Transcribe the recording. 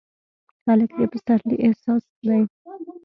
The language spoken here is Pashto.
هلک د پسرلي احساس دی.